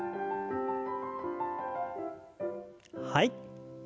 はい。